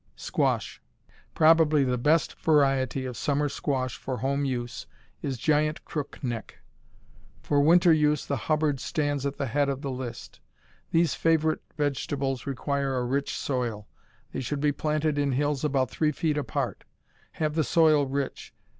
Squash Probably the best variety of summer squash for home use is Giant Crook Neck. For winter use the Hubbard stands at the head of the list. These favorite vegetables require a rich soil. They should be planted in hills about three feet apart. Have the soil rich.